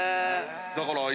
だから今。